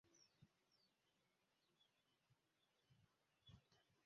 Jangu olabe ekiri wano.